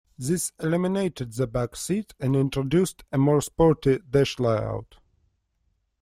This eliminated the back seat and introduced a more sporty dash layout.